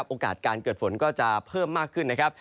โอกาสการเกิดฝนก็จะเพิ่มมากขึ้นนะครับ